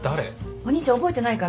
お兄ちゃん覚えてないかな？